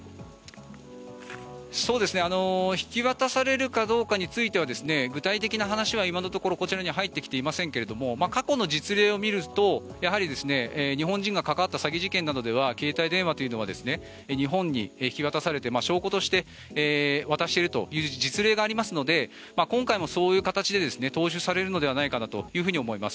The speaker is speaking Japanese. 引き渡されるかどうかについては具体的な話はこちらに入ってきていませんが過去の実例を見ると日本人が関わった詐欺事件などでは携帯電話というのは日本に引き渡されて証拠として渡しているという実例がありますので今回もそういう形で踏襲されるのではないかと思います。